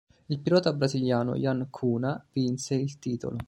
Il pilota brasiliano Yann Cunha vinse il titolo.